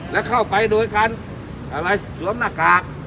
แล้วเข้าไปโดยการอะไรสวมหน้ากาก